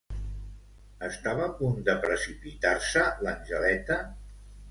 Estava a punt de precipitar-se l'Angeleta?